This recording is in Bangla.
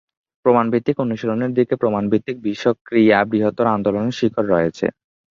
প্রমাণ-ভিত্তিক অনুশীলনের দিকে প্রমাণ-ভিত্তিক বিষক্রিয়ার বৃহত্তর আন্দোলনের শিকড় রয়েছে।